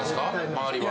周りは。